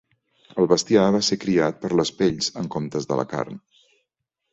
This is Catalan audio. El bestiar va ser criat per les pells en comptes de la carn.